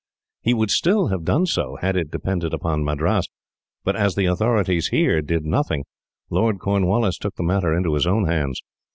He would still have done so, had it depended upon Madras, but as the authorities here did nothing, Lord Cornwallis took the matter into his own hands.